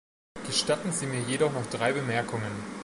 Gestatten Sie mir jedoch noch drei Bemerkungen.